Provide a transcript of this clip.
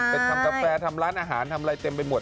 ทำกาแฟทำร้านอาหารทำอะไรเต็มไปหมด